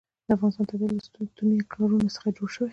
د افغانستان طبیعت له ستوني غرونه څخه جوړ شوی دی.